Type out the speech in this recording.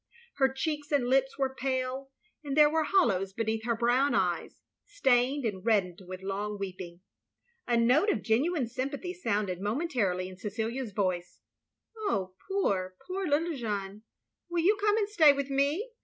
Her cheeks and lips were pale, and there were hollows beneath her brown eyes, stained and reddened with long weeping. A note of genuine sympathy sounded moment arily in Cecilia's voice. " Oh, poor, poor, little Jeanne. Will you come and stay with me?